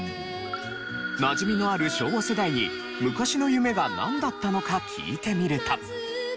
なじみのある昭和世代に昔の夢がなんだったのか聞いてみると。